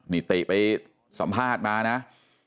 มีตีไปสัมภาษณ์มานะฮะ